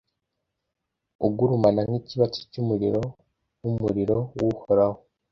ugurumana nk'ikibatsi cy'umurironk'umuriro w'uhoraho